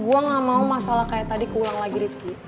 gua gak mau masalah kayak tadi keulang lagi rizky